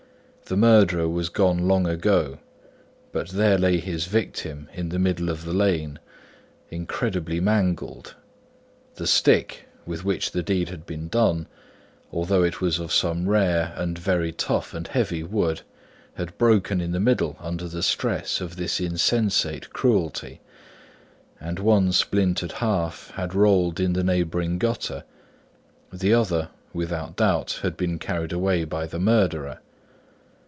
The murderer was gone long ago; but there lay his victim in the middle of the lane, incredibly mangled. The stick with which the deed had been done, although it was of some rare and very tough and heavy wood, had broken in the middle under the stress of this insensate cruelty; and one splintered half had rolled in the neighbouring gutter—the other, without doubt, had been carried away by the murderer.